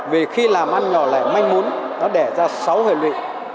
vì khi làm ăn nhỏ lẻ manh muốn nó đẻ ra sáu hệ lụy